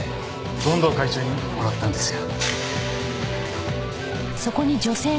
権藤会長にもらったんですよ。